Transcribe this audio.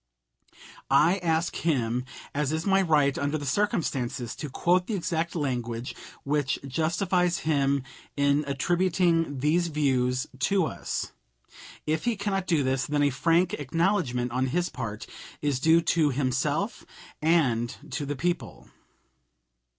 I ask him, as is my right under the circumstances, to quote the exact language which justifies him in attributing these views to us. If he cannot do this, then a frank acknowledgment on his part is due to himself and to the people.